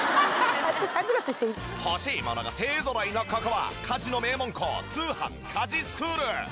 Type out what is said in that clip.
欲しいものが勢ぞろいのここは家事の名門校通販☆家事スクール！